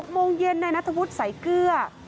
๖โมงเย็นในนัทพุทธสายเกลือ